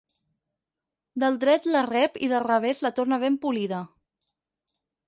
Del dret la rep i del revés la torna ben polida.